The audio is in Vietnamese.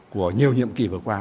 của nhiều nhiệm kỳ vừa qua